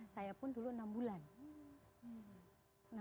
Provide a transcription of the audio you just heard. saya pun dulu enam bulan